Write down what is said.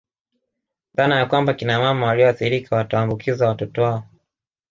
Dhana ya kwamba Kina mama walioathirika watawaambukiza watoto wao